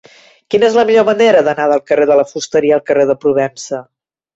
Quina és la millor manera d'anar del carrer de la Fusteria al carrer de Provença?